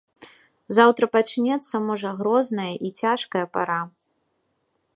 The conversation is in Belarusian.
Заўтра пачнецца можа грозная і цяжкая пара.